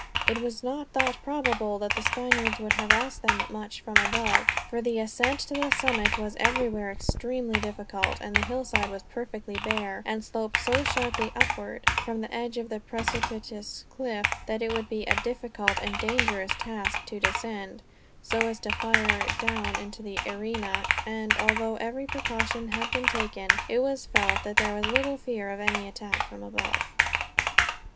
It was not thought probable that the Spaniards would harass them much from above, for the ascent to the summit was everywhere extremely difficult; and the hillside was perfectly bare, and sloped so sharply upward, from the edge of the precipitous cliff, that it would be a difficult and dangerous task to descend, so as to fire down into the arena; and, although every precaution had been taken, it was felt that there was little fear of any attack from above.